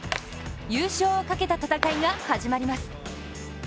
優勝をかけた戦いが始まります。